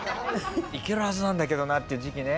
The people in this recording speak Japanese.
いけるはずなんだけどなっていう時期ね。